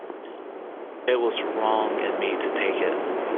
It was wrong in me to take it?